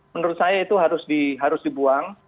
menurut saya itu harus dibuang